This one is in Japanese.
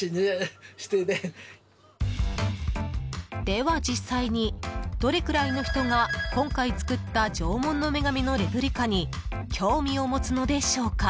では実際に、どれぐらいの人が今回作った縄文の女神のレプリカに興味を持つのでしょうか？